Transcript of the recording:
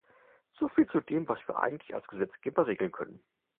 So viel zu dem, was wir eigentlich als Gesetzgeber regeln können.